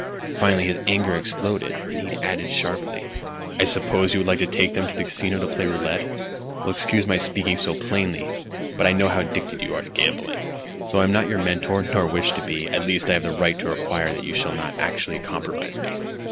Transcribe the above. Finally his anger exploded, and he added sharply: "I suppose you would like to take them to the Casino to play roulette? Well, excuse my speaking so plainly, but I know how addicted you are to gambling. Though I am not your mentor, nor wish to be, at least I have a right to require that you shall not actually compromise me."